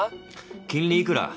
金利いくら？